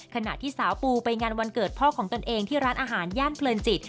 ขณะที่สาวปูไปงานวันเกิดพ่อของตนเองที่ร้านอาหารย่านเพลินจิต